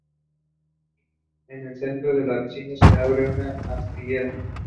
En el centro del ábside, se abre una aspillera.